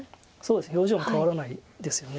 表情も変わらないですよね